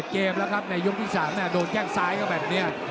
เกมแล้วครับในยกที่๓โดนแข้งซ้ายก็แบบนี้